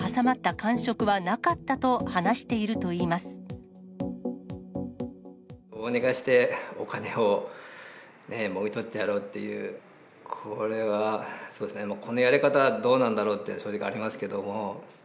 どうにかして、お金をもぎ取ってやろうという、これは、このやり方はどうなんだろうって正直ありますけども。